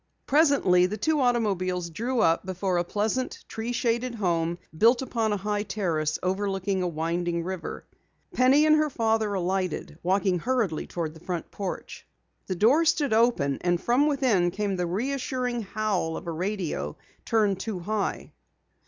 Presently the two automobiles drew up before a pleasant, tree shaded home built upon a high terrace overlooking a winding river. Penny and her father alighted, walking hurriedly toward the front porch. The door stood open and from within came the reassuring howl of a radio turned too high.